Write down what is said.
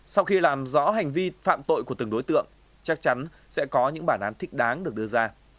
sau khi làm rõ hành vi phạm tội của từng đối tượng chắc chắn sẽ có những bản án thích đáng được đưa ra